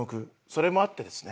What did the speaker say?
それもあってですね。